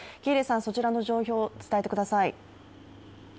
そちらの状況、伝えてください。